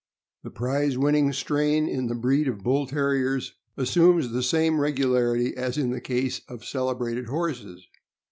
The prize winning strain in the breed of Bull Terriers assumes the same regularity as in the case of celebrated horses.